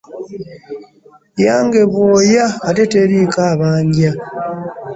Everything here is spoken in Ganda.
Yange bwoya ate teriiko bbanja.